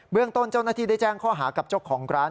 เรื่องต้นเจ้าหน้าที่ได้แจ้งข้อหากับเจ้าของร้าน